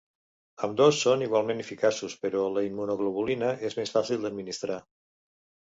Ambdós són igualment eficaços, però la immunoglobulina és més fàcil d'administrar.